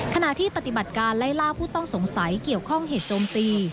ขณะที่ปฏิบัติการไล่ล่าผู้ต้องสงสัยเกี่ยวข้องเหตุโจมตี